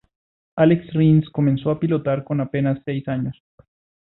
Alex Rins comenzó a pilotar con apenas seis años.